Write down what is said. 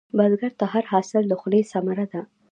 بزګر ته هر حاصل د خولې ثمره ده